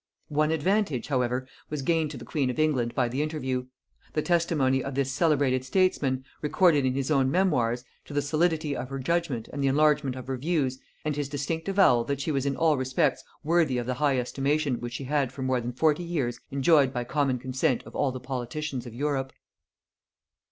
One advantage, however, was gained to the queen of England by the interview; the testimony of this celebrated statesman, recorded in his own memoirs, to the solidity of her judgement and the enlargement of her views; and his distinct avowal that she was in all respects worthy of the high estimation which she had for more than forty years enjoyed by common consent of all the politicians of Europe.